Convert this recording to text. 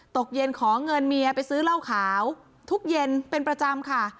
ตกเย็นขอเงินเมียไปซื้อเหล้าขาวทุกเย็นเป็นประจำค่ะ